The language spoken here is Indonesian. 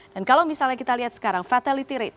dan kalau misalnya kita lihat sekarang fatality rate